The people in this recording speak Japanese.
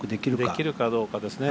できるかどうかですね。